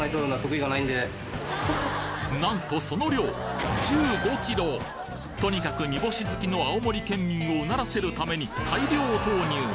なんとその量とにかく煮干し好きの青森県民を唸らせるために大量投入！